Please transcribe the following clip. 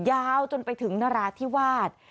ยาวจนไปถึงนราธิวาส